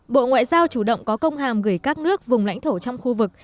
bộ ngoại giao chủ động có công hàm gửi các nước vùng lãnh thổ trong khu vực